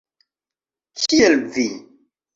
Kiel vi!